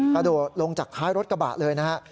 กระโดดลงจากท้ายรถกระบะเลยนะฮะ